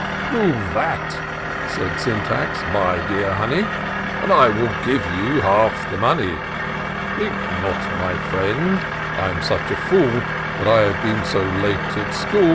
Prove that," says Sjoitax, "my dear honey, And I will give you half the money. Think not, my friend, I'm such a fool. That I have been so late at school.